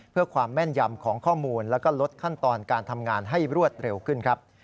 เพื่อความแม่นยำของข้อมูลแล้วก็ลดขั้นตอนการทำงานให้รวดเร็วขึ้นครับ